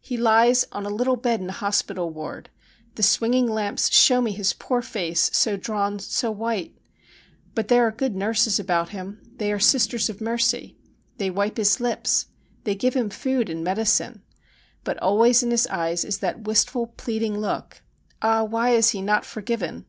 He lies on a little bed in a hospital ward. The swinging lamps show me his poor face, so drawn, so white. But there are good nurses about him. They are sisters of mercy. They wipe his lips. They give him food and medicine. But always in his eyes is that wistful, pleading look. Ah, why is he not forgiven?